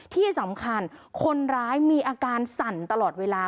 ที่สำคัญคนร้ายมีอาการสั่นตลอดเวลา